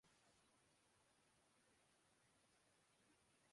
متحدہ امارات نے کوئی عندیہ دیا ہے۔